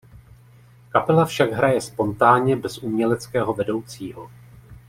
Kapela však hraje spontánně bez uměleckého vedoucího.